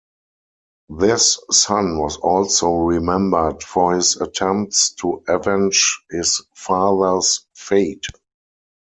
This son was also remembered for his attempts to avenge his father's fate.